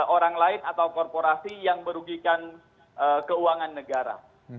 orang lain atau korporasi yang merugikan keuangan negara